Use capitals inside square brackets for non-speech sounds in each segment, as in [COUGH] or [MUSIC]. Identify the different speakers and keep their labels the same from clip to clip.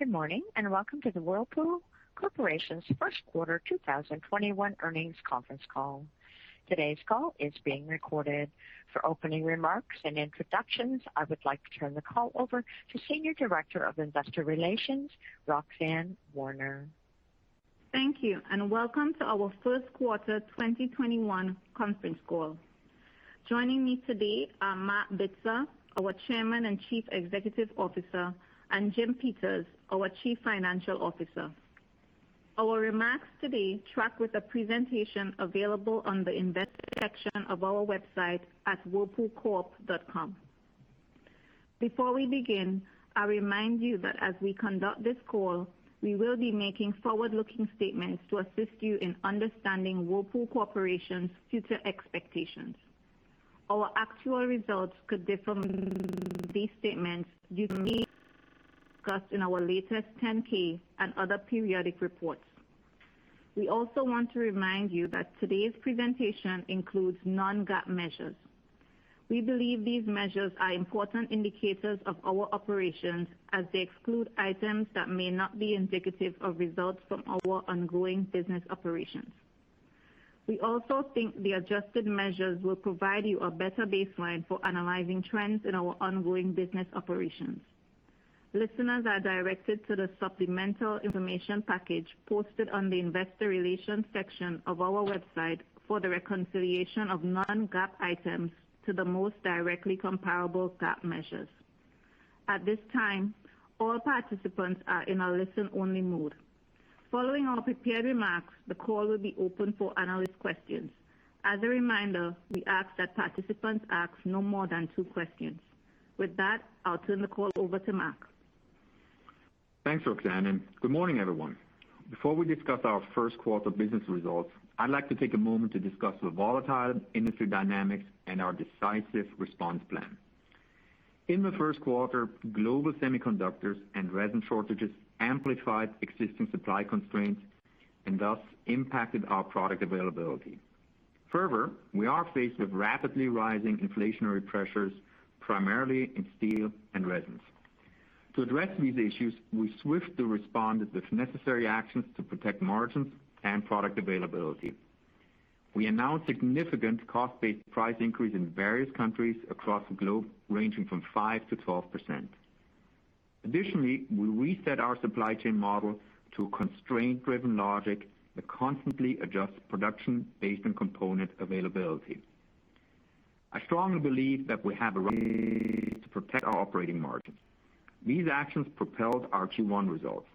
Speaker 1: Good morning, and welcome to the Whirlpool Corporation's first quarter 2021 earnings conference call. Today's call is being recorded. For opening remarks and introductions, I would like to turn the call over to Senior Director of Investor Relations, Roxanne Warner.
Speaker 2: Thank you, and welcome to our first quarter 2021 conference call. Joining me today are Marc Bitzer, our Chairman and Chief Executive Officer, and Jim Peters, our Chief Financial Officer. Our remarks today track with a presentation available on the investor section of our website at whirlpoolcorp.com. Before we begin, I remind you that as we conduct this call, we will be making forward-looking statements to assist you in understanding Whirlpool Corporation's future expectations. Our actual results could differ from these statements due to risks discussed in our latest 10-K and other periodic reports. We also want to remind you that today's presentation includes non-GAAP measures. We believe these measures are important indicators of our operations as they exclude items that may not be indicative of results from our ongoing business operations. We also think the adjusted measures will provide you a better baseline for analyzing trends in our ongoing business operations. Listeners are directed to the supplemental information package posted on the investor relations section of our website for the reconciliation of non-GAAP items to the most directly comparable GAAP measures. At this time, all participants are in a listen-only mode. Following our prepared remarks, the call will be open for analyst questions. As a reminder, we ask that participants ask no more than two questions. With that, I'll turn the call over to Marc.
Speaker 3: Thanks, Roxanne, and good morning, everyone. Before we discuss our first quarter business results, I'd like to take a moment to discuss the volatile industry dynamics and our decisive response plan. In the first quarter, global semiconductors and resin shortages amplified existing supply constraints and thus impacted our product availability. We are faced with rapidly rising inflationary pressures, primarily in steel and resins. To address these issues, we swiftly responded with necessary actions to protect margins and product availability. We announced significant cost-based price increase in various countries across the globe, ranging from 5%-12%. We reset our supply chain model to a constraint-driven logic that constantly adjusts production based on component availability. I strongly believe that we have [AUDIO DISTORTION] to protect our operating margins. These actions propelled our Q1 results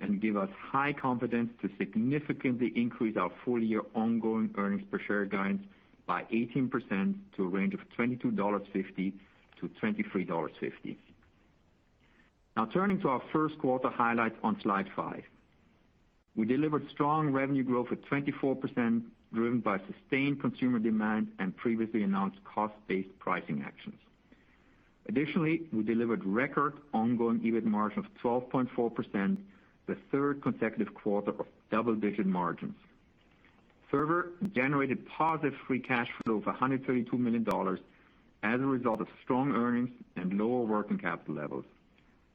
Speaker 3: and give us high confidence to significantly increase our full-year ongoing earnings per share guidance by 18% to a range of $22.50-$23.50. Now turning to our first quarter highlights on slide five. We delivered strong revenue growth of 24%, driven by sustained consumer demand and previously announced cost-based pricing actions. Additionally, we delivered record ongoing EBIT margin of 12.4%, the third consecutive quarter of double-digit margins. Further, generated positive free cash flow of $132 million as a result of strong earnings and lower working capital levels.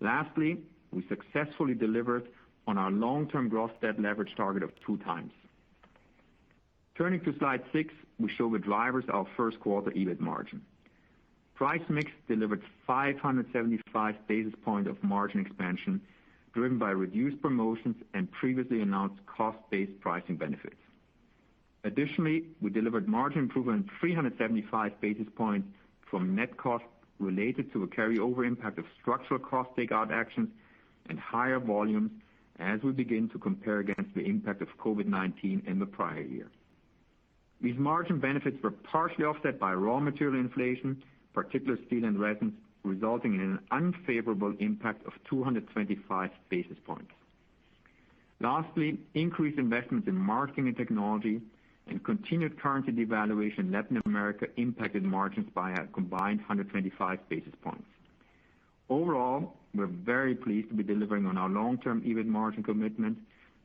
Speaker 3: Lastly, we successfully delivered on our long-term gross debt leverage target of two times. Turning to slide six, we show the drivers of first quarter EBIT margin. Price mix delivered 575 basis points of margin expansion, driven by reduced promotions and previously announced cost-based pricing benefits. We delivered margin improvement 375 basis points from net costs related to a carryover impact of structural cost takeout actions and higher volumes as we begin to compare against the impact of COVID-19 in the prior year. These margin benefits were partially offset by raw material inflation, particularly steel and resins, resulting in an unfavorable impact of 225 basis points. Lastly, increased investments in marketing and technology and continued currency devaluation in Latin America impacted margins by a combined 125 basis points. We're very pleased to be delivering on our long-term EBIT margin commitment,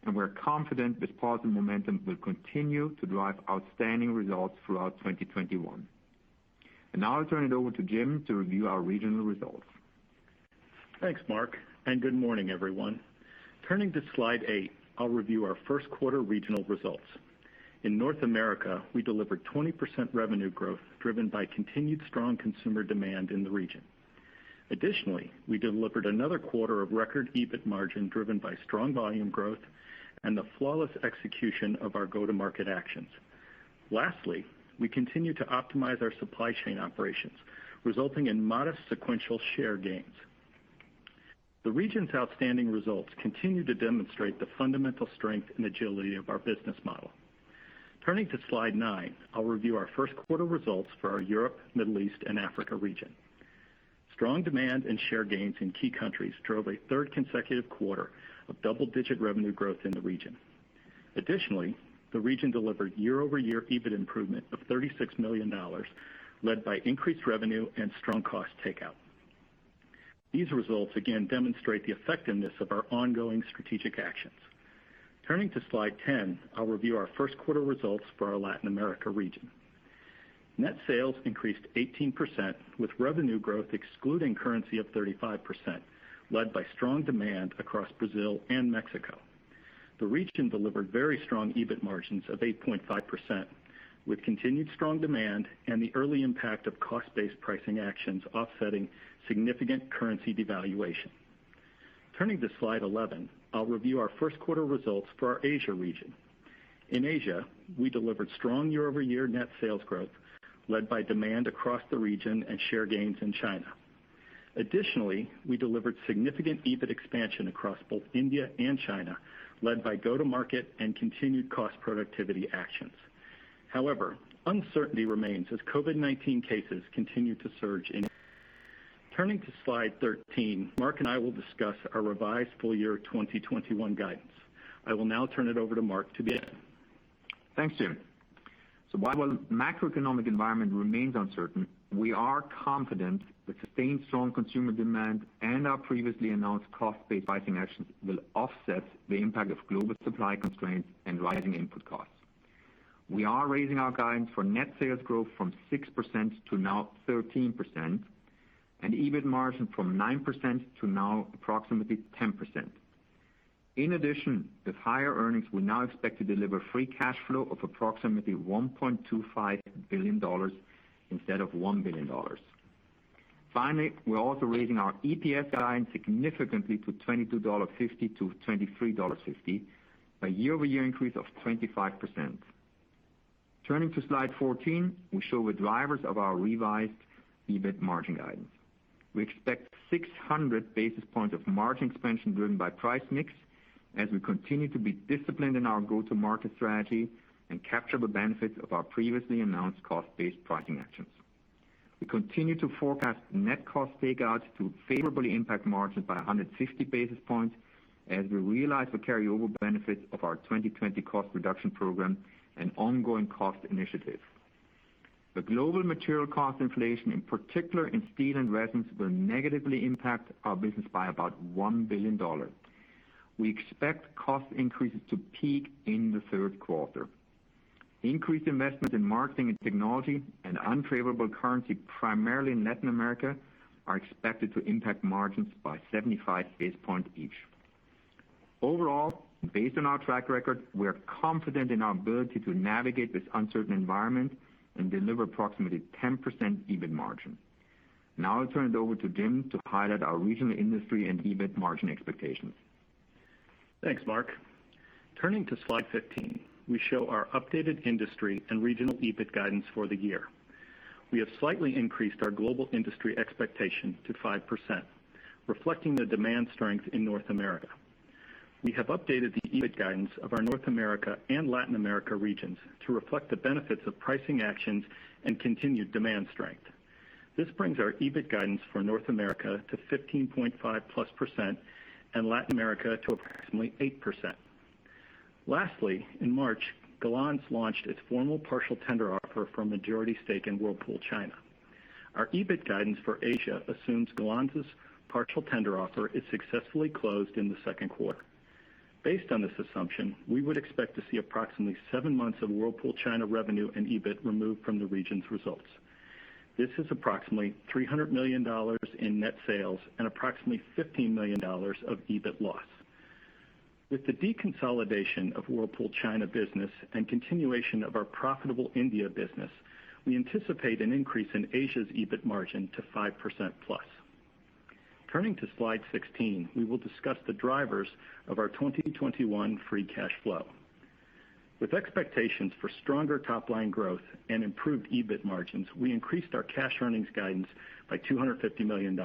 Speaker 3: and we're confident this positive momentum will continue to drive outstanding results throughout 2021. Now I'll turn it over to Jim to review our regional results.
Speaker 4: Thanks, Marc. Good morning, everyone. Turning to slide eight, I'll review our first quarter regional results. In North America, we delivered 20% revenue growth, driven by continued strong consumer demand in the region. Additionally, we delivered another quarter of record EBIT margin, driven by strong volume growth and the flawless execution of our go-to-market actions. Lastly, we continue to optimize our supply chain operations, resulting in modest sequential share gains. The region's outstanding results continue to demonstrate the fundamental strength and agility of our business model. Turning to slide nine, I'll review our first quarter results for our Europe, Middle East, and Africa region. Strong demand and share gains in key countries drove a third consecutive quarter of double-digit revenue growth in the region. Additionally, the region delivered year-over-year EBIT improvement of $36 million, led by increased revenue and strong cost takeout. These results again demonstrate the effectiveness of our ongoing strategic actions. Turning to slide 10, I'll review our first quarter results for our Latin America region. Net sales increased 18%, with revenue growth excluding currency up 35%, led by strong demand across Brazil and Mexico. The region delivered very strong EBIT margins of 8.5%, with continued strong demand and the early impact of cost-based pricing actions offsetting significant currency devaluation. Turning to slide 11, I'll review our first quarter results for our Asia region. In Asia, we delivered strong year-over-year net sales growth led by demand across the region and share gains in China. Additionally, we delivered significant EBIT expansion across both India and China, led by go-to-market and continued cost productivity actions. However, uncertainty remains as COVID-19 cases continue to surge. Turning to slide 13, Marc and I will discuss our revised full year 2021 guidance. I will now turn it over to Marc to begin.
Speaker 3: Thanks, Jim. While the macroeconomic environment remains uncertain, we are confident that sustained strong consumer demand and our previously announced cost-based pricing actions will offset the impact of global supply constraints and rising input costs. We are raising our guidance for net sales growth from 6% to now 13%, and EBIT margin from 9% to now approximately 10%. In addition, with higher earnings, we now expect to deliver free cash flow of approximately $1.25 billion instead of $1 billion. Finally, we're also raising our EPS guidance significantly to $22.50-$23.50, a year-over-year increase of 25%. Turning to slide 14, we show the drivers of our revised EBIT margin guidance. We expect 600 basis points of margin expansion driven by price mix as we continue to be disciplined in our go-to-market strategy and capture the benefits of our previously announced cost-based pricing actions. We continue to forecast net cost takeouts to favorably impact margins by 150 basis points as we realize the carry-over benefits of our 2020 cost reduction program and ongoing cost initiatives. The global material cost inflation, in particular in steel and resins, will negatively impact our business by about $1 billion. We expect cost increases to peak in the third quarter. Increased investment in marketing and technology and unfavorable currency, primarily in Latin America, are expected to impact margins by 75 basis points each. Overall, based on our track record, we are confident in our ability to navigate this uncertain environment and deliver approximately 10% EBIT margin. Now I'll turn it over to Jim to highlight our regional industry and EBIT margin expectations.
Speaker 4: Thanks, Marc. Turning to slide 15, we show our updated industry and regional EBIT guidance for the year. We have slightly increased our global industry expectation to 5%, reflecting the demand strength in North America. We have updated the EBIT guidance of our North America and Latin America regions to reflect the benefits of pricing actions and continued demand strength. This brings our EBIT guidance for North America to 15.5%+ and Latin America to approximately 8%. Lastly, in March, Galanz launched its formal partial tender offer for a majority stake in Whirlpool China. Our EBIT guidance for Asia assumes Galanz's partial tender offer is successfully closed in the second quarter. Based on this assumption, we would expect to see approximately seven months of Whirlpool China revenue and EBIT removed from the region's results. This is approximately $300 million in net sales and approximately $15 million of EBIT loss. With the deconsolidation of Whirlpool China business and continuation of our profitable India business, we anticipate an increase in Asia's EBIT margin to 5%+. Turning to slide 16, we will discuss the drivers of our 2021 free cash flow. With expectations for stronger top-line growth and improved EBIT margins, we increased our cash earnings guidance by $250 million.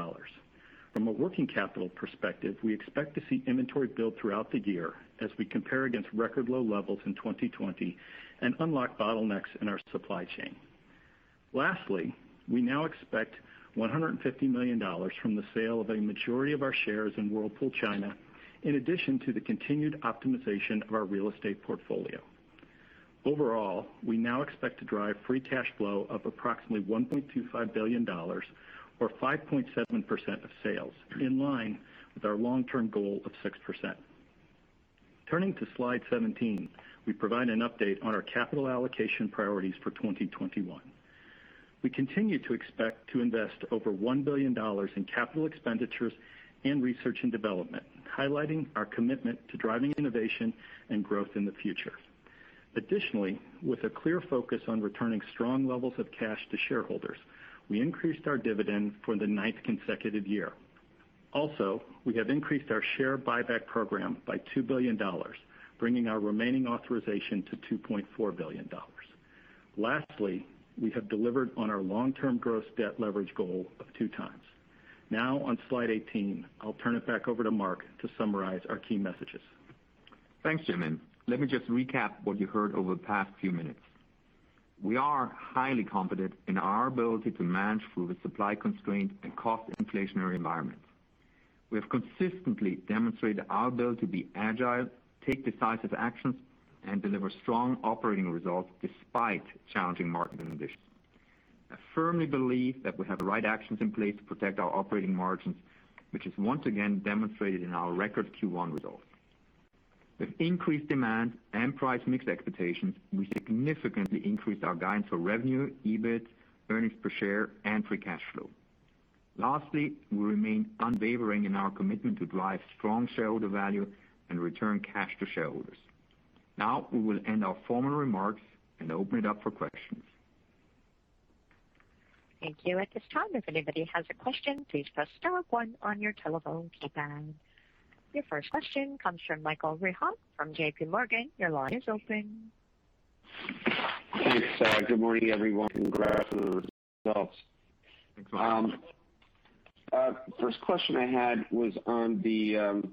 Speaker 4: From a working capital perspective, we expect to see inventory build throughout the year as we compare against record low levels in 2020 and unlock bottlenecks in our supply chain. Lastly, we now expect $150 million from the sale of a majority of our shares in Whirlpool China, in addition to the continued optimization of our real estate portfolio. Overall, we now expect to drive free cash flow of approximately $1.25 billion, or 5.7% of sales, in line with our long-term goal of 6%. Turning to slide 17, we provide an update on our capital allocation priorities for 2021. We continue to expect to invest over $1 billion in capital expenditures and research and development, highlighting our commitment to driving innovation and growth in the future. Additionally, with a clear focus on returning strong levels of cash to shareholders, we increased our dividend for the ninth consecutive year. We have increased our share buyback program by $2 billion, bringing our remaining authorization to $2.4 billion. We have delivered on our long-term gross debt leverage goal of two times. On slide 18, I'll turn it back over to Marc to summarize our key messages.
Speaker 3: Thanks, Jim, and let me just recap what you heard over the past few minutes. We are highly confident in our ability to manage through the supply constraint and cost inflationary environments. We have consistently demonstrated our ability to be agile, take decisive actions, and deliver strong operating results despite challenging market conditions. I firmly believe that we have the right actions in place to protect our operating margins, which is once again demonstrated in our record Q1 results. With increased demand and price mix expectations, we significantly increased our guidance for revenue, EBIT, earnings per share, and free cash flow. Lastly, we remain unwavering in our commitment to drive strong shareholder value and return cash to shareholders. Now, we will end our formal remarks and open it up for questions.
Speaker 1: Thank you. At this time, if anybody has a question, please press star one on your telephone keypad. Your first question comes from Michael Rehaut from JPMorgan. Your line is open.
Speaker 5: Thanks. Good morning, everyone. Congrats on the results.
Speaker 3: Thanks, Michael.
Speaker 5: First question I had was on the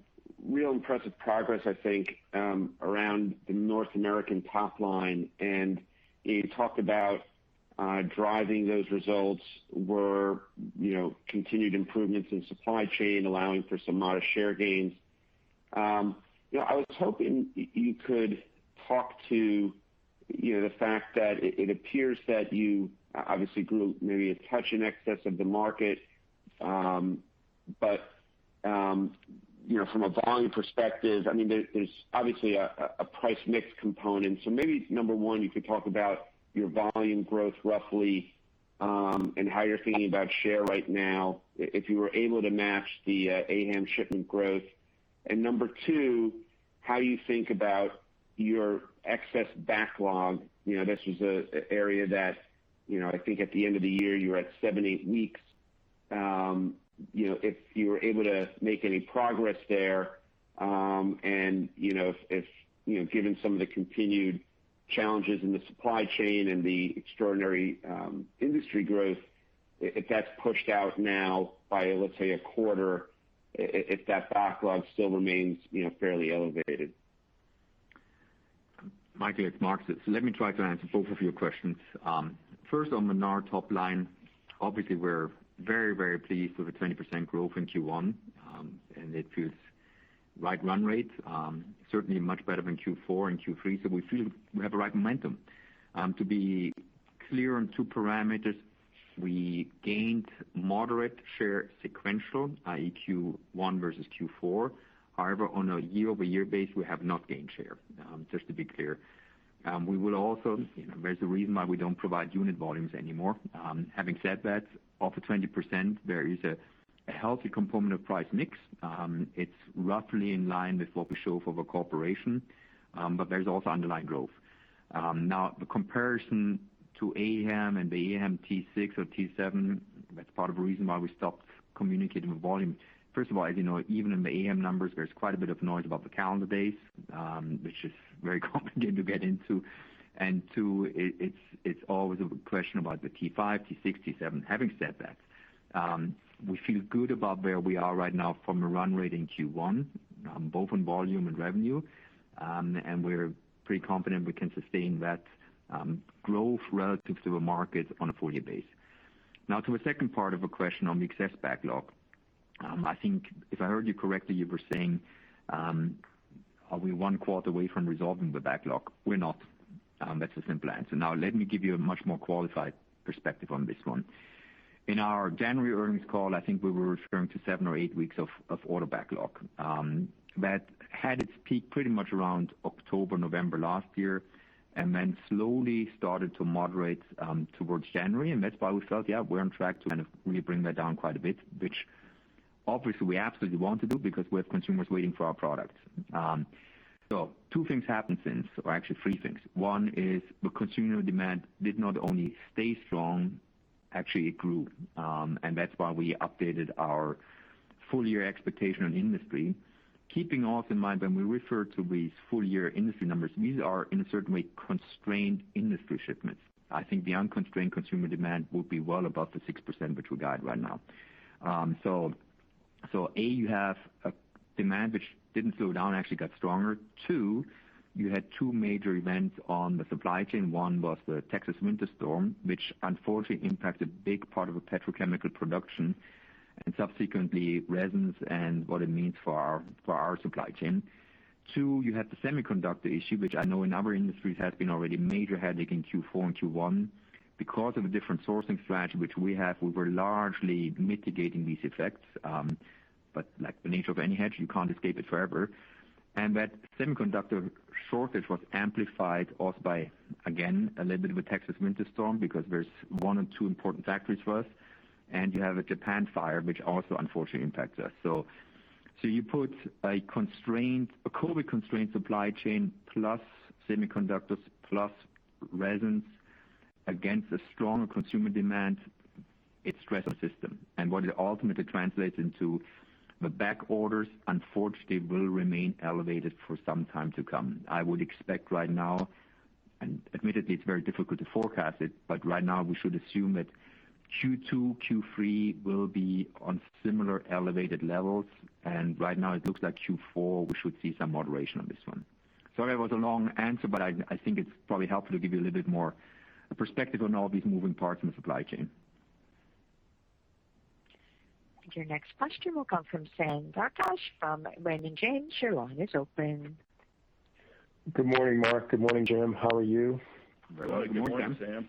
Speaker 5: real impressive progress, I think, around the North American top line. You talked about driving those results were continued improvements in supply chain, allowing for some modest share gains. I was hoping you could talk to the fact that it appears that you obviously grew maybe a touch in excess of the market. From a volume perspective, there's obviously a price mix component. Maybe, number one, you could talk about your volume growth roughly, and how you're thinking about share right now, if you were able to match the AHAM shipment growth. Number two, how you think about your excess backlog. This was an area that, I think at the end of the year, you were at seven, eight weeks. If you were able to make any progress there, and if given some of the continued challenges in the supply chain and the extraordinary industry growth, if that's pushed out now by, let's say, a quarter, if that backlog still remains fairly elevated?
Speaker 3: Michael, it's Marc Bitzer. Let me try to answer both of your questions. First on the NAR top line, obviously we're very pleased with the 20% growth in Q1. It feels right run rate, certainly much better than Q4 and Q3. We feel we have the right momentum. To be clear on two parameters, we gained moderate share sequential, i.e. Q1 versus Q4. On a year-over-year base, we have not gained share, just to be clear. There's a reason why we don't provide unit volumes anymore. Having said that, of the 20%, there is a healthy component of price mix. It's roughly in line with what we show for the corporation. There's also underlying growth. Now, the comparison to AHAM and the AHAM T6 or T7, that's part of the reason why we stopped communicating volume. First of all, as you know, even in the AHAM numbers, there's quite a bit of noise about the calendar days, which is very complicated to get into. Two, it's always a question about the T5, T6, T7. Having said that, we feel good about where we are right now from a run rate in Q1, both on volume and revenue. We're pretty confident we can sustain that growth relative to the market on a full year base. Now to the second part of the question on the excess backlog. I think if I heard you correctly, you were saying, are we one quarter away from resolving the backlog? We're not. That's the simple answer. Now, let me give you a much more qualified perspective on this one. In our January earnings call, I think we were referring to seven or eight weeks of order backlog. That had its peak pretty much around October, November last year, and then slowly started to moderate towards January. That's why we felt, yeah, we're on track to kind of really bring that down quite a bit, which obviously we absolutely want to do because we have consumers waiting for our products. Two things happened since, or actually three things. One is the consumer demand did not only stay strong, actually it grew. That's why we updated our full-year expectation on industry. Keeping also in mind, when we refer to these full-year industry numbers, these are in a certain way constrained industry shipments. I think the unconstrained consumer demand will be well above the 6% which we guide right now. A, you have a demand which didn't slow down, actually got stronger. Two, you had two major events on the supply chain. One was the Texas winter storm, which unfortunately impacted a big part of the petrochemical production, and subsequently resins and what it means for our supply chain. Two, you had the semiconductor issue, which I know in other industries has been already a major headache in Q4 and Q1. Because of a different sourcing strategy which we have, we were largely mitigating these effects. Like the nature of any hedge, you can't escape it forever. That semiconductor shortage was amplified also by, again, a little bit of a Texas winter storm because there's one or two important factories for us. You have a Japan fire, which also unfortunately impacts us. You put a COVID-constrained supply chain plus semiconductors plus resins against a stronger consumer demand, it stresses the system. What it ultimately translates into the back orders unfortunately will remain elevated for some time to come. I would expect right now, and admittedly it's very difficult to forecast it, but right now we should assume that Q2, Q3 will be on similar elevated levels. Right now it looks like Q4 we should see some moderation on this one. Sorry that was a long answer, but I think it's probably helpful to give you a little bit more perspective on all these moving parts in the supply chain.
Speaker 1: Your next question will come from Sam Darkatsh from Raymond James. Your line is open.
Speaker 6: Good morning, Marc. Good morning, Jim. How are you?
Speaker 3: Good morning, Sam.
Speaker 4: Good morning, Sam.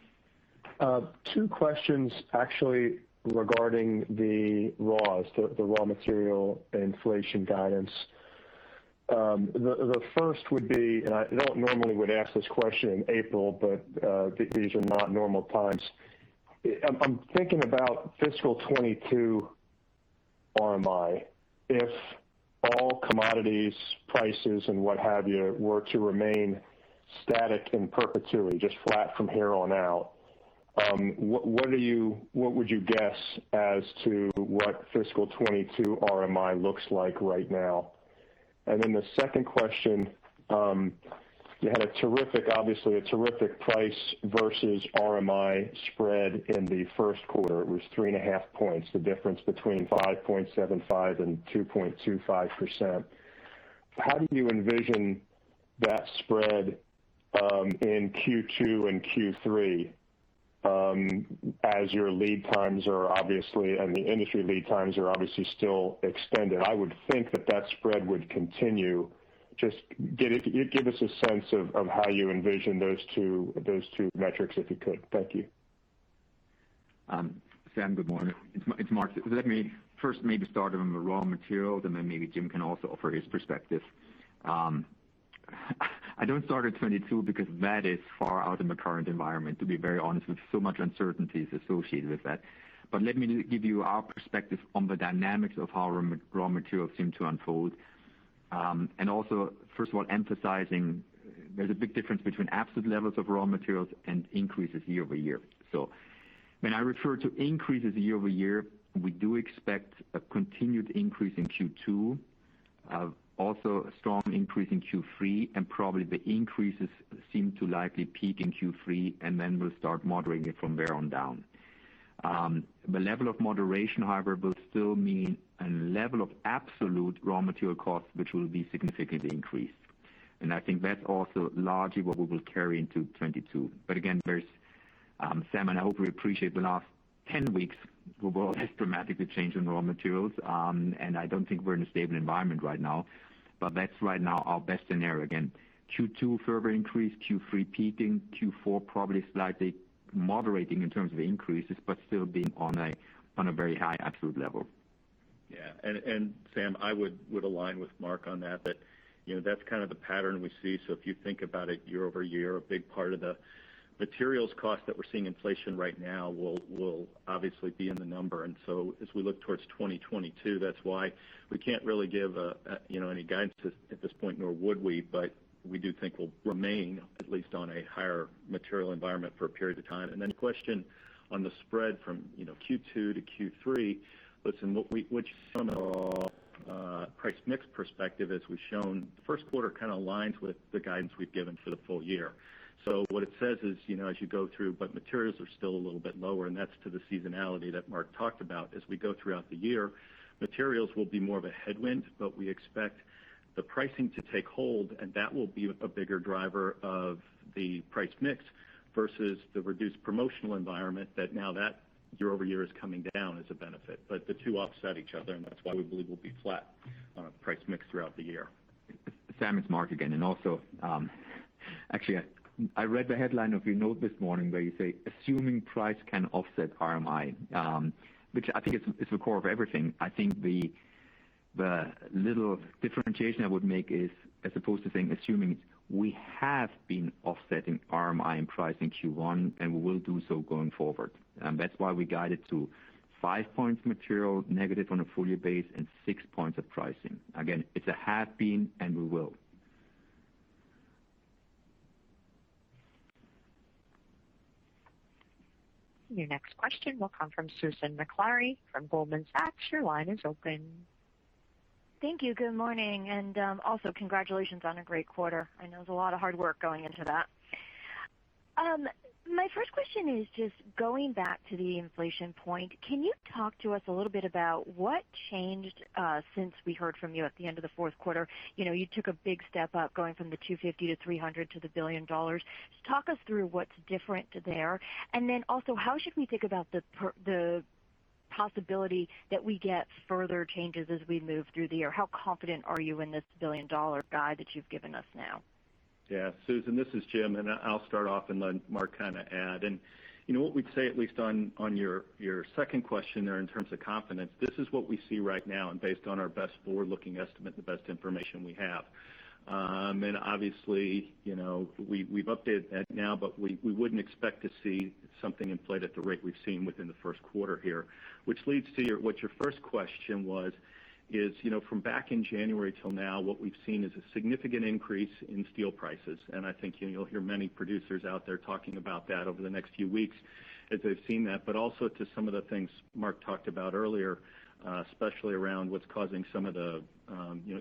Speaker 6: Two questions actually regarding the raws, the raw material inflation guidance. The first would be, I don't normally would ask this question in April, these are not normal times. I'm thinking about fiscal 2022 RMI. If all commodities prices and what have you were to remain static in perpetuity, just flat from here on out, what would you guess as to what fiscal 2022 RMI looks like right now? The second question, you had a terrific, obviously a terrific price versus RMI spread in the first quarter. It was three and a half points, the difference between 5.75% and 2.25%. How do you envision that spread in Q2 and Q3 as your lead times are obviously, and the industry lead times are obviously still extended? I would think that spread would continue. Just give us a sense of how you envision those two metrics, if you could. Thank you.
Speaker 3: Sam, good morning. It's Marc. Let me first maybe start on the raw materials, and then maybe Jim can also offer his perspective. I don't start at 2022 because that is far out in the current environment, to be very honest, with so much uncertainties associated with that. Let me give you our perspective on the dynamics of how raw materials seem to unfold. First of all, emphasizing there's a big difference between absolute levels of raw materials and increases year-over-year. When I refer to increases year-over-year, we do expect a continued increase in Q2, also a strong increase in Q3, and probably the increases seem to likely peak in Q3, and then we'll start moderating it from there on down. The level of moderation, however, will still mean a level of absolute raw material costs, which will be significantly increased. I think that's also largely what we will carry into 2022. Again, Sam, I hope we appreciate the last 10 weeks, the world has dramatically changed on raw materials. I don't think we're in a stable environment right now. That's right now our best scenario. Again, Q2 further increase, Q3 peaking, Q4 probably slightly moderating in terms of increases, but still being on a very high absolute level.
Speaker 4: Yeah. Sam, I would align with Marc on that's kind of the pattern we see. If you think about it year-over-year, a big part of the materials cost that we're seeing inflation right now will obviously be in the number. As we look towards 2022, that's why we can't really give any guidance at this point, nor would we, but we do think we'll remain at least on a higher material environment for a period of time. Question on the spread from Q2 to Q3. Listen, what we [AUDIO DISTORTION] price mix perspective, as we've shown, the first quarter kind of aligns with the guidance we've given for the full year. What it says is, as you go through, but materials are still a little bit lower, and that's to the seasonality that Marc talked about. As we go throughout the year, materials will be more of a headwind, but we expect the pricing to take hold, and that will be a bigger driver of the price mix versus the reduced promotional environment that now that year-over-year is coming down as a benefit. The two offset each other, and that's why we believe we'll be flat on a price mix throughout the year.
Speaker 3: Sam, it's Marc again. Also, actually, I read the headline of your note this morning where you say, "Assuming price can offset RMI," which I think it's the core of everything. I think the little differentiation I would make is as opposed to saying assuming, we have been offsetting RMI and pricing Q1, and we will do so going forward. That's why we guided to five points material negative on a full year base and six points of pricing. Again, it's a have been, and we will.
Speaker 1: Your next question will come from Susan Maklari from Goldman Sachs. Your line is open.
Speaker 7: Thank you. Good morning, also congratulations on a great quarter. I know there's a lot of hard work going into that. My first question is just going back to the inflation point. Can you talk to us a little bit about what changed since we heard from you at the end of the fourth quarter? You took a big step up going from the $250 million-$300 million to the $1 billion. Just talk us through what's different there. Then also, how should we think about the possibility that we get further changes as we move through the year? How confident are you in this $1 billion guide that you've given us now?
Speaker 4: Yeah, Susan, this is Jim. I'll start off and let Marc add. What we'd say, at least on your second question there in terms of confidence, this is what we see right now and based on our best forward-looking estimate, the best information we have. Obviously, we've updated that now, but we wouldn't expect to see something inflate at the rate we've seen within the first quarter here, which leads to what your first question was, is from back in January till now, what we've seen is a significant increase in steel prices. I think you'll hear many producers out there talking about that over the next few weeks as they've seen that, but also to some of the things Marc talked about earlier, especially around what's causing some of the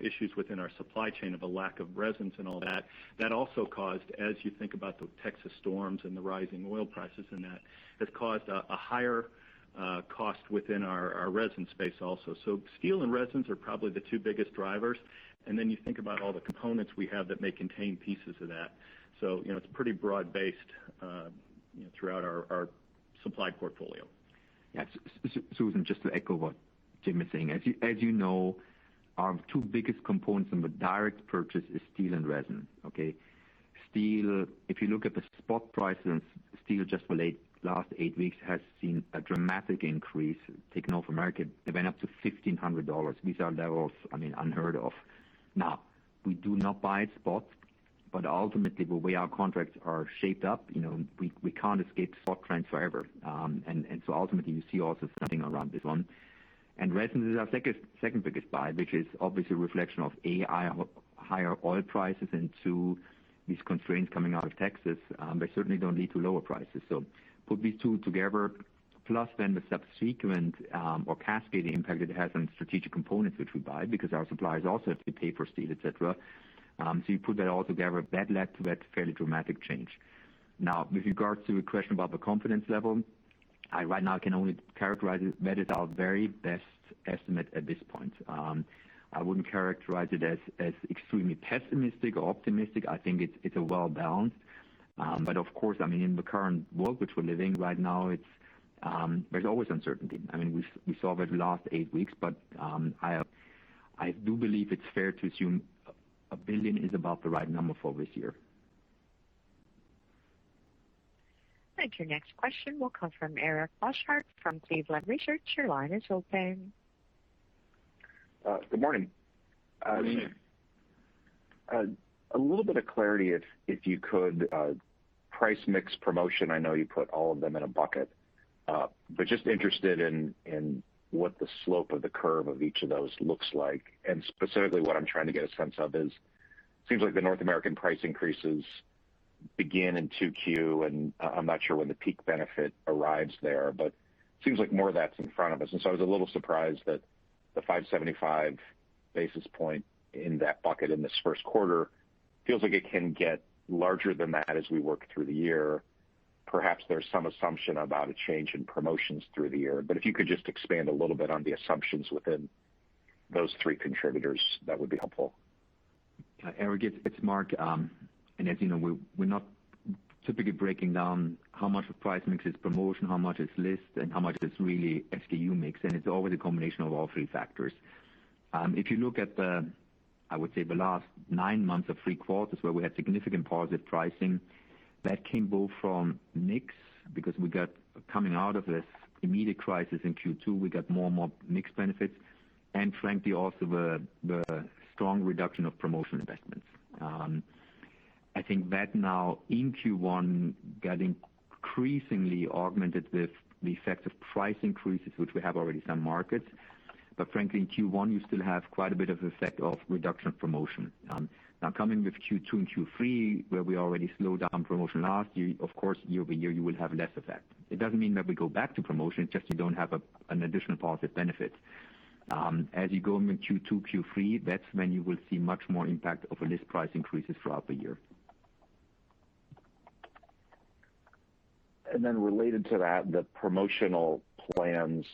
Speaker 4: issues within our supply chain of a lack of resins and all that. That also caused, as you think about the Texas storms and the rising oil prices and that, has caused a higher cost within our resin space also. Steel and resins are probably the two biggest drivers. You think about all the components we have that may contain pieces of that. It's pretty broad-based throughout our supply portfolio.
Speaker 3: Yeah. Susan, just to echo what Jim is saying, as you know, our two biggest components in the direct purchase is steel and resin. Okay? Steel, if you look at the spot prices, steel just for last eight weeks has seen a dramatic increase. Take North America, they went up to $1,500. These are levels unheard of. We do not buy spot, but ultimately, the way our contracts are shaped up, we can't escape spot trends forever. Ultimately, you see also something around this one. Resin is our second biggest buy, which is obviously a reflection of, A, higher oil prices, and two, these constraints coming out of Texas. They certainly don't lead to lower prices. Put these two together, plus the subsequent or cascading impact it has on strategic components which we buy, because our suppliers also have to pay for steel, et cetera. You put that all together, that led to that fairly dramatic change. Now, with regards to the question about the confidence level, I right now can only characterize it, that is our very best estimate at this point. I wouldn't characterize it as extremely pessimistic or optimistic. I think it's well-balanced. Of course, in the current world which we're living right now, there's always uncertainty. We saw that the last eight weeks, but I do believe it's fair to assume $1 billion is about the right number for this year.
Speaker 1: Thank you. Next question will come from Eric Bosshard from Cleveland Research. Your line is open.
Speaker 8: Good morning.
Speaker 3: Good morning.
Speaker 8: A little bit of clarity if you could. Price mix promotion, I know you put all of them in a bucket. Just interested in what the slope of the curve of each of those looks like. Specifically, what I'm trying to get a sense of is, seems like the North American price increases begin in 2Q, and I'm not sure when the peak benefit arrives there, but seems like more of that's in front of us. I was a little surprised that the 575 basis points in that bucket in this first quarter feels like it can get larger than that as we work through the year. Perhaps there's some assumption about a change in promotions through the year, but if you could just expand a little bit on the assumptions within those three contributors, that would be helpful.
Speaker 3: Eric, it's Marc. As you know, we're not typically breaking down how much of price mix is promotion, how much is list, and how much is really SKU mix, and it's always a combination of all three factors. If you look at the, I would say the last nine months of three quarters where we had significant positive pricing, that came both from mix, because coming out of this immediate crisis in Q2, we got more and more mix benefits, and frankly, also the strong reduction of promotion investments. I think that now in Q1, getting increasingly augmented with the effect of price increases, which we have already some markets. Frankly, in Q1, you still have quite a bit of effect of reduction promotion. Coming with Q2 and Q3, where we already slowed down promotion last year, of course, year-over-year, you will have less effect. It doesn't mean that we go back to promotion, it's just you don't have an additional positive benefit. As you go into Q2, Q3, that's when you will see much more impact of list price increases throughout the year.
Speaker 8: Related to that, the promotional plans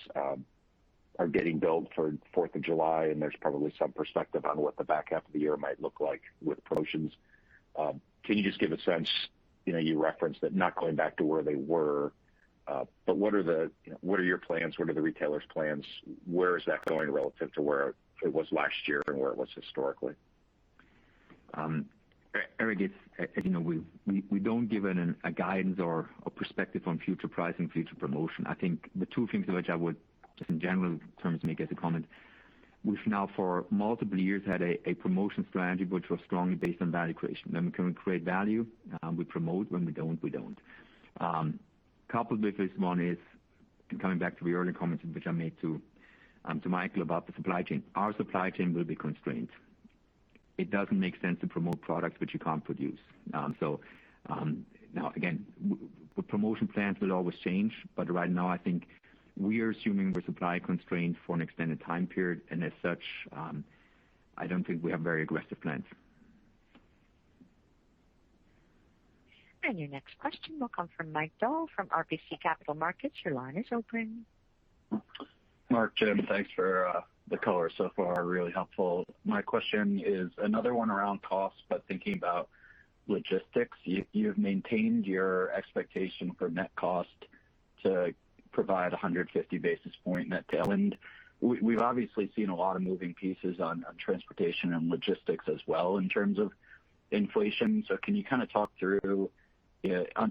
Speaker 8: are getting built for 4th of July, and there's probably some perspective on what the back half of the year might look like with promotions. Can you just give a sense, you referenced that not going back to where they were, but what are your plans? What are the retailers' plans? Where is that going relative to where it was last year and where it was historically?
Speaker 3: Eric, as you know, we don't give a guidance or perspective on future pricing, future promotion. I think the two things which I would just in general terms make as a comment, we've now for multiple years had a promotion strategy which was strongly based on value creation. When we can create value, we promote. When we don't, we don't. Coupled with this one is, coming back to the earlier comments which I made to Michael about the supply chain. Our supply chain will be constrained. It doesn't make sense to promote products which you can't produce. Now again, the promotion plans will always change, but right now I think we are assuming we're supply constrained for an extended time period. As such, I don't think we have very aggressive plans.
Speaker 1: Your next question will come from Mike Dahl from RBC Capital Markets. Your line is open.
Speaker 9: Marc, Jim, thanks for the color so far, really helpful. My question is another one around cost, but thinking about logistics. You've maintained your expectation for net cost to provide 150 basis point net tailwind. We've obviously seen a lot of moving pieces on transportation and logistics as well in terms of inflation. Can you talk through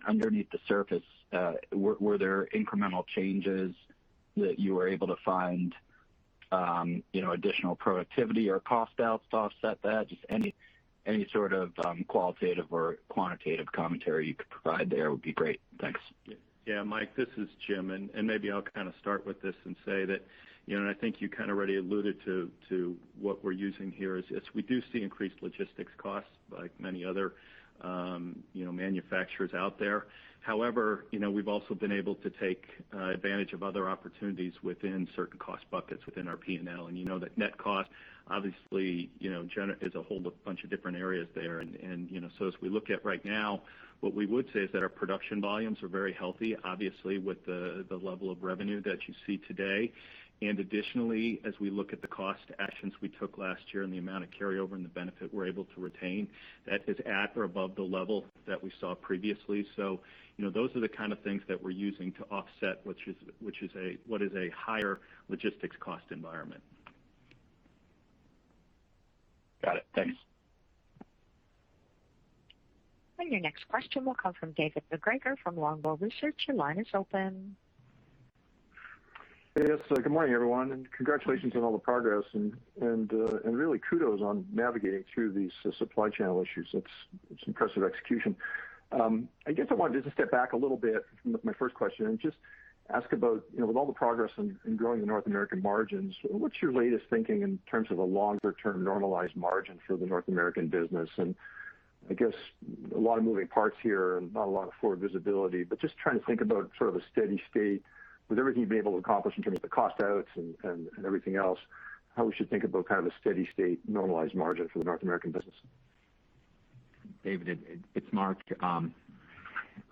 Speaker 9: underneath the surface, were there incremental changes that you were able to find additional productivity or cost outs to offset that? Just any sort of qualitative or quantitative commentary you could provide there would be great. Thanks.
Speaker 4: Yeah, Mike, this is Jim. Maybe I'll start with this and say that, I think you already alluded to what we're using here, is we do see increased logistics costs like many other manufacturers out there. However, we've also been able to take advantage of other opportunities within certain cost buckets within our P&L. You know that net cost obviously is a whole bunch of different areas there. As we look at right now, what we would say is that our production volumes are very healthy, obviously, with the level of revenue that you see today. Additionally, as we look at the cost actions we took last year and the amount of carryover and the benefit we're able to retain, that is at or above the level that we saw previously. Those are the kind of things that we're using to offset what is a higher logistics cost environment.
Speaker 9: Got it. Thanks.
Speaker 1: Your next question will come from David MacGregor from Longbow Research. Your line is open.
Speaker 10: Hey. Yes. Good morning, everyone. Congratulations on all the progress. Really kudos on navigating through these supply chain issues. It's impressive execution. I guess I wanted to just step back a little bit with my first question and just ask about, with all the progress in growing the North American margins, what's your latest thinking in terms of a longer-term normalized margin for the North American business? I guess a lot of moving parts here and not a lot of forward visibility. Just trying to think about sort of a steady state with everything you've been able to accomplish in terms of the cost outs and everything else, how we should think about kind of a steady state normalized margin for the North American business.
Speaker 3: David, it's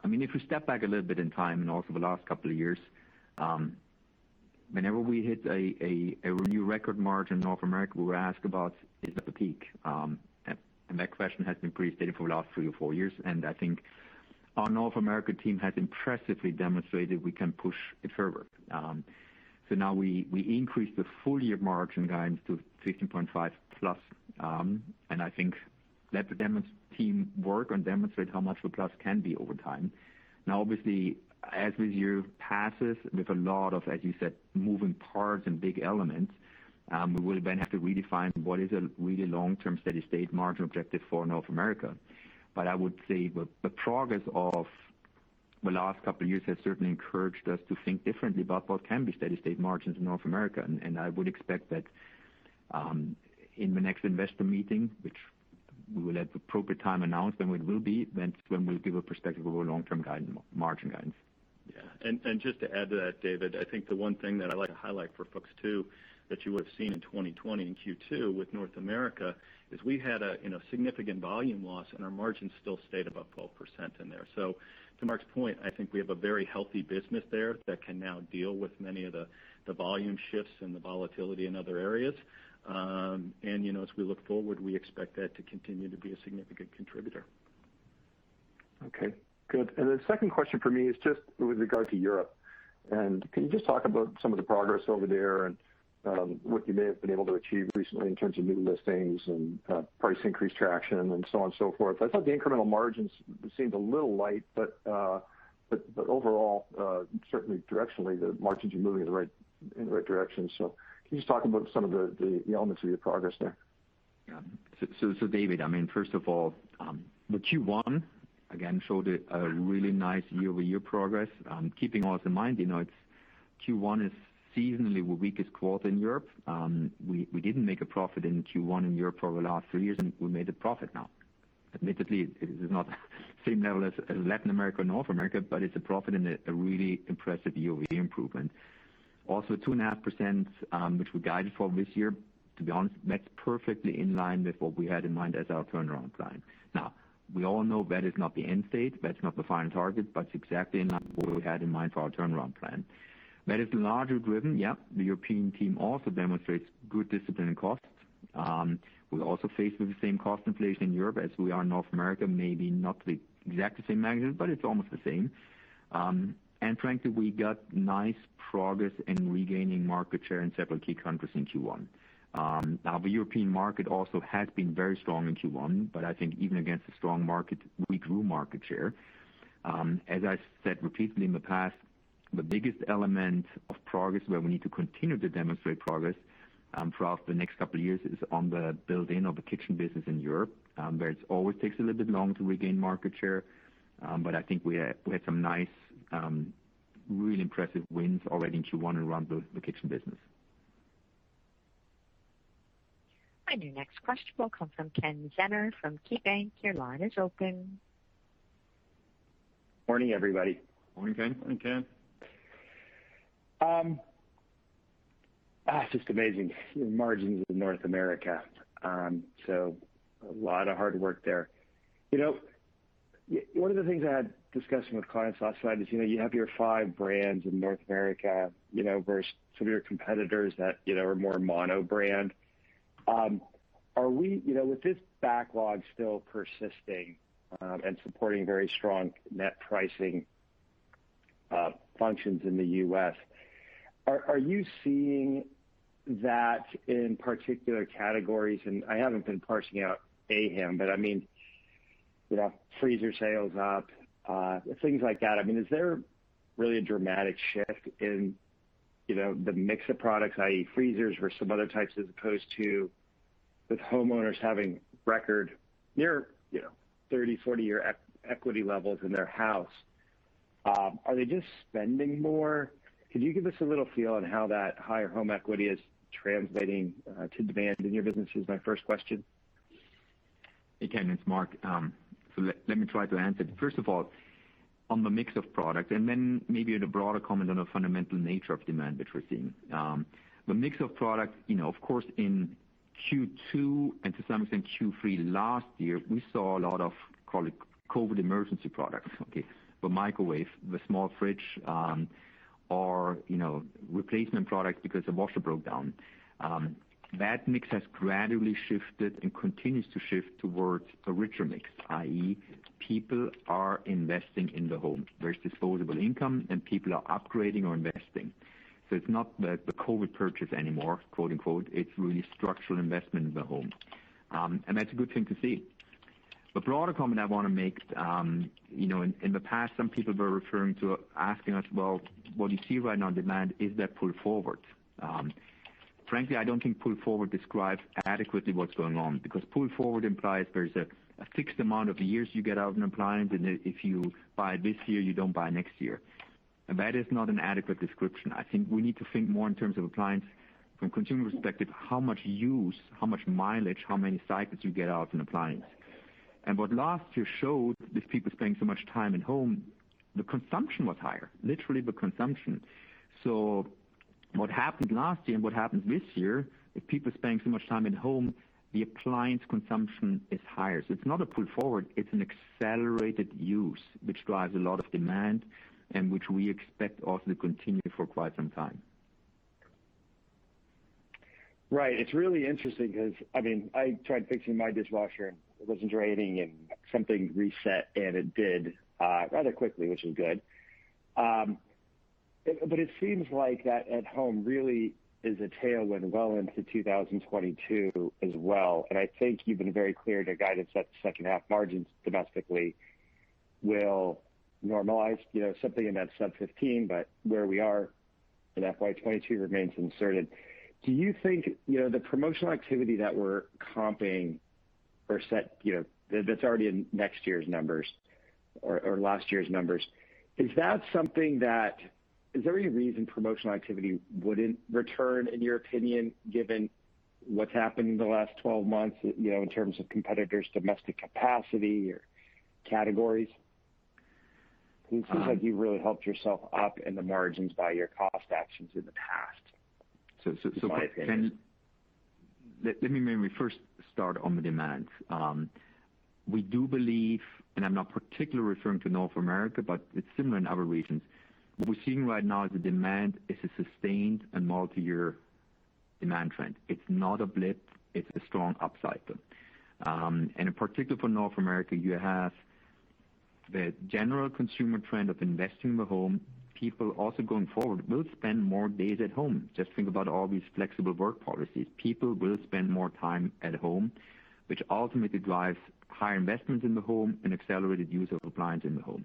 Speaker 3: Marc. If we step back a little bit in time and also the last couple of years, whenever we hit a new record margin in North America, we were asked about, is that the peak? That question has been pretty steady for the last three or four years, and I think our North America team has impressively demonstrated we can push it further. Now we increase the full-year margin guidance to 15.5%+, and I think let the team work and demonstrate how much the plus can be over time. Now, obviously, as the year passes with a lot of, as you said, moving parts and big elements, we will then have to redefine what is a really long-term steady-state margin objective for North America. I would say the progress of the last couple of years has certainly encouraged us to think differently about what can be steady-state margins in North America. I would expect that in the next investor meeting, which we will at the appropriate time announce when it will be, that's when we'll give a perspective of our long-term margin guidance.
Speaker 4: Yeah. Just to add to that, David, I think the one thing that I'd like to highlight for folks too, that you would have seen in 2020, in Q2 with North America, is we had a significant volume loss and our margins still stayed above 12% in there. To Marc's point, I think we have a very healthy business there that can now deal with many of the volume shifts and the volatility in other areas. As we look forward, we expect that to continue to be a significant contributor.
Speaker 10: Okay, good. The second question for me is just with regard to Europe. Can you just talk about some of the progress over there and what you may have been able to achieve recently in terms of new listings and price increase traction and so on and so forth? I thought the incremental margins seemed a little light, overall, certainly directionally, the margins are moving in the right direction. Can you just talk about some of the elements of your progress there?
Speaker 3: David, first of all, the Q1 again showed a really nice year-over-year progress. Keeping all this in mind, Q1 is seasonally the weakest quarter in Europe. We didn't make a profit in Q1 in Europe for the last three years, we made a profit now. Admittedly, it is not the same level as Latin America or North America, it's a profit and a really impressive year-over-year improvement. 2.5%, which we guided for this year, to be honest, that's perfectly in line with what we had in mind as our turnaround plan. We all know that is not the end state, that's not the final target, it's exactly in line with what we had in mind for our turnaround plan. That is largely driven, the European team also demonstrates good discipline in costs. We're also faced with the same cost inflation in Europe as we are in North America, maybe not the exact same magnitude, but it's almost the same. Frankly, we got nice progress in regaining market share in several key countries in Q1. The European market also has been very strong in Q1. I think even against a strong market, we grew market share. As I said repeatedly in the past, the biggest element of progress where we need to continue to demonstrate progress throughout the next couple of years is on the build-in of the kitchen business in Europe, where it always takes a little bit longer to regain market share. I think we had some nice, really impressive wins already in Q1 around the kitchen business.
Speaker 1: Your next question will come from Ken Zener from KeyBanc. Your line is open.
Speaker 11: Morning, everybody.
Speaker 3: Morning, Ken.
Speaker 4: Morning, Ken.
Speaker 11: Just amazing margins in North America. A lot of hard work there. One of the things I had discussing with clients last night is you have your five brands in North America, versus some of your competitors that are more mono brand. With this backlog still persisting and supporting very strong net pricing functions in the U.S., are you seeing that in particular categories? I haven't been parsing out AHAM, but I mean, freezer sales up, things like that. Is there really a dramatic shift in the mix of products, i.e. freezers versus some other types, as opposed to with homeowners having record near 30, 40-year equity levels in their house. Are they just spending more? Could you give us a little feel on how that higher home equity is translating to demand in your business is my first question.
Speaker 3: Hey, Ken, it's Marc. Let me try to answer. First of all, on the mix of products and then maybe at a broader comment on the fundamental nature of demand that we're seeing. The mix of products, of course, in Q2 and to some extent Q3 last year, we saw a lot of, call it COVID emergency products, okay? The microwave, the small fridge, or replacement products because the washer broke down. That mix has gradually shifted and continues to shift towards a richer mix, i.e. people are investing in the home. There's disposable income, and people are upgrading or investing. It's not the COVID purchase anymore, quote-unquote. It's really structural investment in the home. That's a good thing to see. The broader comment I want to make, in the past, some people were referring to asking us, "Well, what you see right now in demand, is that pull forward?" Frankly, I don't think pull forward describes adequately what's going on, because pull forward implies there's a fixed amount of years you get out an appliance, and if you buy this year, you don't buy next year. That is not an adequate description. I think we need to think more in terms of appliance from consumer perspective, how much use, how much mileage, how many cycles you get out an appliance. What last year showed, with people spending so much time at home, the consumption was higher, literally the consumption. What happened last year and what happens this year, if people are spending so much time at home, the appliance consumption is higher. It's not a pull forward, it's an accelerated use, which drives a lot of demand and which we expect also to continue for quite some time.
Speaker 11: Right. It's really interesting because, I tried fixing my dishwasher and it wasn't draining and something reset, and it did, rather quickly, which was good. It seems like that at home really is a tailwind well into 2022 as well. I think you've been very clear to guide us that the second half margins domestically will normalize, something in that sub-15, but where we are in FY 2022 remains uncertain. Do you think, the promotional activity that we're comping or set, that's already in next year's numbers or last year's numbers. Is there any reason promotional activity wouldn't return, in your opinion, given what's happened in the last 12 months, in terms of competitors, domestic capacity or categories? It seems like you really helped yourself up in the margins by your cost actions in the past.
Speaker 3: Let me maybe first start on the demand. We do believe, and I'm not particularly referring to North America, but it's similar in other regions. What we're seeing right now is the demand is a sustained and multi-year demand trend. It's not a blip, it's a strong upcycle. In particular for North America, you have the general consumer trend of investing in the home. People also, going forward, will spend more days at home. Just think about all these flexible work policies. People will spend more time at home, which ultimately drives higher investment in the home and accelerated use of appliance in the home.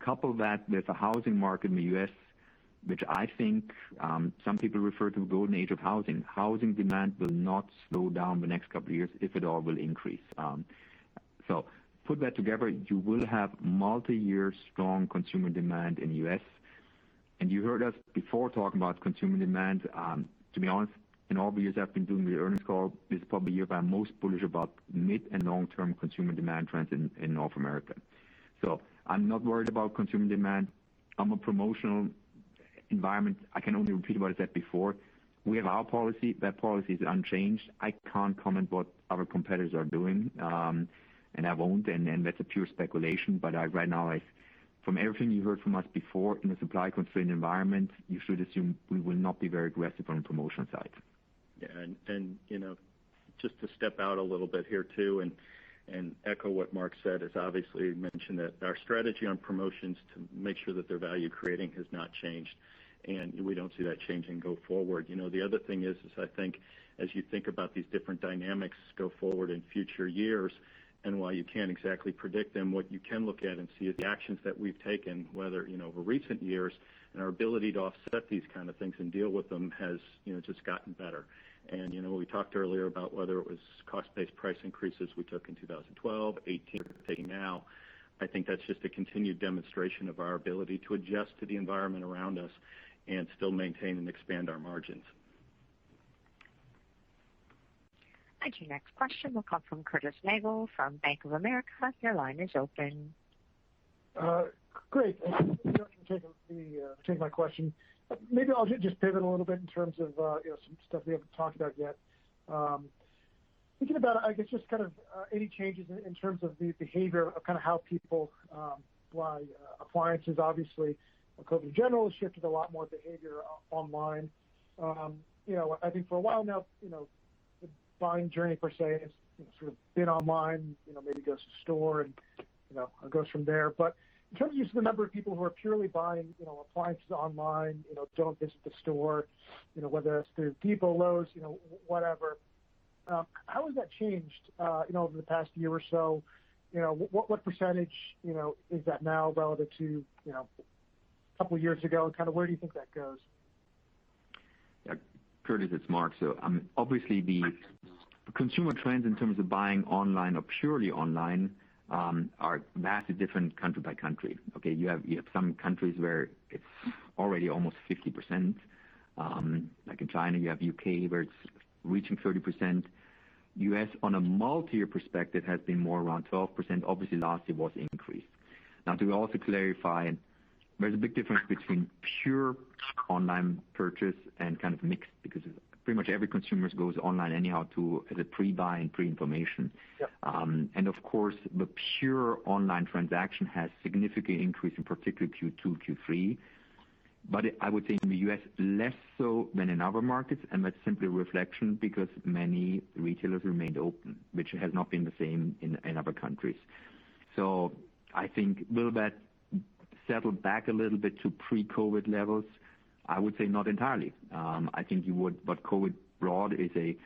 Speaker 3: Couple that with the housing market in the U.S., which I think, some people refer to the golden age of housing. Housing demand will not slow down the next couple of years, if at all, will increase. Put that together, you will have multi-year strong consumer demand in the U.S. You heard us before talking about consumer demand. To be honest, in all the years I've been doing the earnings call, this is probably the year where I'm most bullish about mid and long-term consumer demand trends in North America. I'm not worried about consumer demand. On a promotional environment, I can only repeat what I said before. We have our policy. That policy is unchanged. I can't comment what our competitors are doing. I won't, and that's a pure speculation, but right now, from everything you heard from us before, in a supply-constrained environment, you should assume we will not be very aggressive on the promotion side.
Speaker 4: Yeah. Just to step out a little bit here, too, and echo what Marc said, as obviously he mentioned that our strategy on promotions to make sure that they're value-creating has not changed, and we don't see that changing go forward. The other thing is, I think as you think about these different dynamics go forward in future years, and while you can't exactly predict them, what you can look at and see is the actions that we've taken, whether, over recent years and our ability to offset these kind of things and deal with them has just gotten better. We talked earlier about whether it was cost-based price increases we took in 2012, 2018 or taking now. I think that's just a continued demonstration of our ability to adjust to the environment around us and still maintain and expand our margins.
Speaker 1: Thank you. Next question will come from Curtis Nagle from Bank of America. Your line is open.
Speaker 12: Great. Thank you. I can take my question. Maybe I'll just pivot a little bit in terms of some stuff we haven't talked about yet. Thinking about, I guess, just any changes in terms of the behavior of how people buy appliances. Obviously, COVID-19, in general, has shifted a lot more behavior online. I think for a while now, the buying journey, per se, has sort of been online, maybe goes to store and it goes from there. In terms of just the number of people who are purely buying appliances online, don't visit the store, whether it's through The Home Depot, Lowe's, whatever, how has that changed over the past year or so? What percentage is that now relative to a couple of years ago? Where do you think that goes?
Speaker 3: Yeah. Curtis, it's Marc. Obviously the consumer trends in terms of buying online or purely online, are vastly different country by country, okay? You have some countries where it's already almost 50%, like in China. You have U.K., where it's reaching 30%. U.S., on a multi-year perspective, has been more around 12%. Obviously, last year was increased. Now, to also clarify, there's a big difference between pure online purchase and kind of mixed, because pretty much every consumer goes online anyhow to as a pre-buy and pre-information.
Speaker 12: Yep.
Speaker 3: Of course, the pure online transaction has significantly increased in particular Q2, Q3. I would say in the U.S., less so than in other markets, and that's simply a reflection because many retailers remained open, which has not been the same in other countries. I think will that settle back a little bit to pre-COVID levels? I would say not entirely. I think what COVID brought is a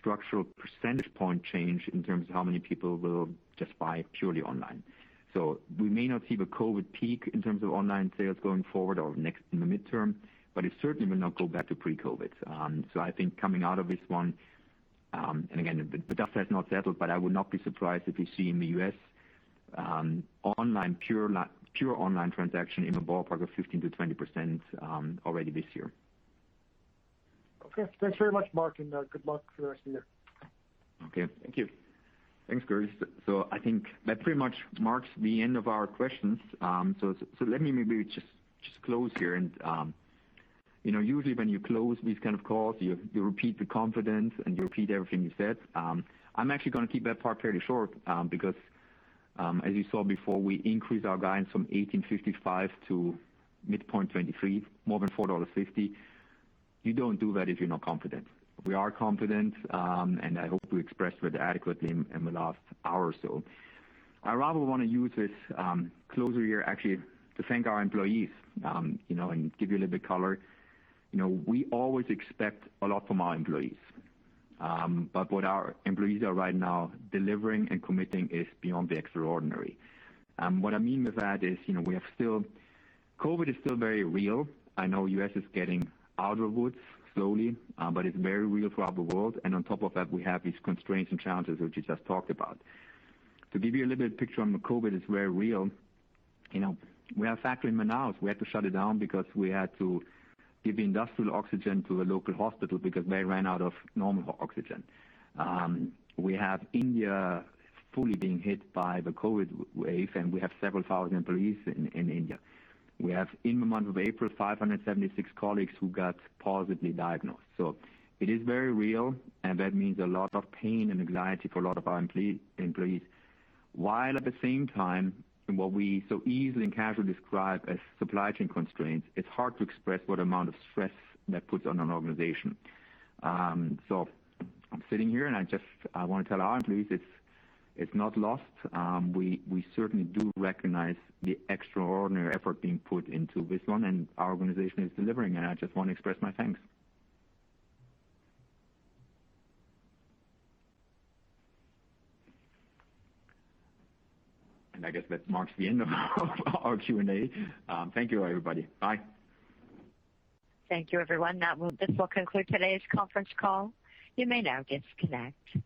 Speaker 3: structural percentage point change in terms of how many people will just buy purely online. We may not see the COVID peak in terms of online sales going forward or in the midterm, but it certainly will not go back to pre-COVID. I think coming out of this one, and again, the dust has not settled, but I would not be surprised if we see in the U.S. pure online transaction in the ballpark of 15%-20% already this year.
Speaker 12: Okay. Thanks very much, Marc, and good luck for the rest of the year.
Speaker 3: Okay. Thank you.
Speaker 4: Thanks, Curtis.
Speaker 3: I think that pretty much marks the end of our questions. Let me maybe just close here. Usually when you close these kind of calls, you repeat with confidence and you repeat everything you said. I'm actually going to keep that part fairly short, because, as you saw before, we increased our guidance from $18.55 to mid-point $23, more than $4.50. You don't do that if you're not confident. We are confident, and I hope we expressed that adequately in the last hour or so. I rather want to use this closure here actually to thank our employees, and give you a little bit of color. We always expect a lot from our employees. What our employees are right now delivering and committing is beyond the extraordinary. What I mean with that is COVID is still very real. I know U.S. is getting out of the woods slowly, but it's very real throughout the world. On top of that, we have these constraints and challenges, which we just talked about. To give you a little bit of picture on the COVID, it's very real. We have a factory in Manaus. We had to shut it down because we had to give industrial oxygen to a local hospital because they ran out of normal oxygen. We have India fully being hit by the COVID wave, and we have several thousand employees in India. We have, in the month of April, 576 colleagues who got positively diagnosed. It is very real, and that means a lot of pain and anxiety for a lot of our employees. While at the same time, what we so easily and casually describe as supply chain constraints, it's hard to express what amount of stress that puts on an organization. I'm sitting here and I want to tell our employees it's not lost. We certainly do recognize the extraordinary effort being put into this one and our organization is delivering, and I just want to express my thanks. I guess that marks the end of our Q&A. Thank you, everybody. Bye.
Speaker 1: Thank you, everyone. This will conclude today's conference call. You may now disconnect.